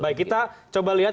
baik kita coba lihat